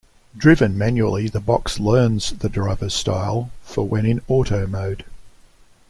Driven manually, the box 'learns' the driver's style for when in auto mode.